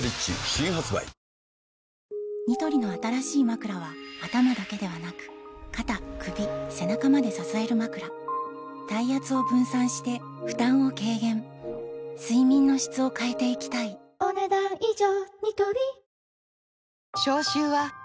新発売ニトリの新しいまくらは頭だけではなく肩・首・背中まで支えるまくら体圧を分散して負担を軽減睡眠の質を変えていきたいお、ねだん以上。